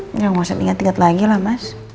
ya gausah inget inget lagi lah mas